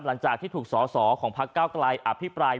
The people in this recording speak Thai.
หลังจากที่ถูกสอสอของพักเก้าไกลอภิปราย